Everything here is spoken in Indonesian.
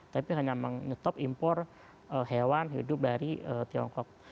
tapi hanya mengetop impor hewan hidup dari tiongkok